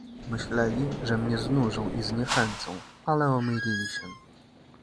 "Myśleli, że mnie znużą i zniechęcą, ale omylili się."